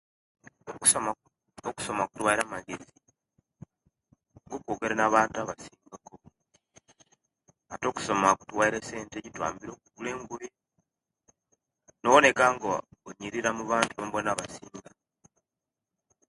Okusoma okusoma kuwaile amagezi no kwogera na'bantu abaasingaku ate okusoma kutuwaile essente ejjitwambile ogula engoye noboneka nga onyilira omubantu bonabona abasinga